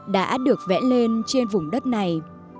đã được vẽ lên trên vùng đất này